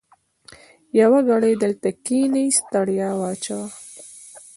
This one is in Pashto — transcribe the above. يوه ګړۍ دلته کېنه؛ ستړیا واچوه.